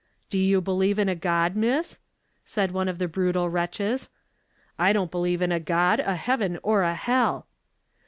'Do you believe in a God, miss?' said one of the brutal wretches; 'I don't believe in a God, a heaven, nor a hell.'